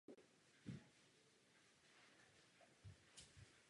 Především bychom měli omezit vývoz těchto výrobků do zbytku světa.